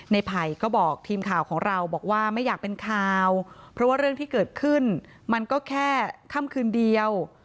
ไผ่ก็บอกทีมข่าวของเราบอกว่าไม่อยากเป็นข่าวเพราะว่าเรื่องที่เกิดขึ้นมันก็แค่ค่ำคืนเดียว